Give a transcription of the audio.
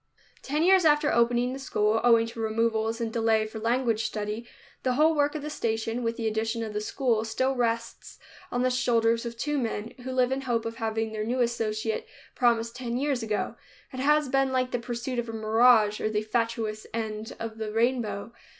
Ten years after opening the school, owing to removals and delay for language study, the whole work of the station, with the addition of the school, still rests on the shoulders of two men, who live in hope of having their new associate, promised ten years ago. It has been like the pursuit of a mirage or the fatuous end of the rainbow.